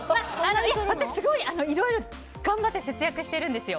私、いろいろ頑張って節約してるんですよ。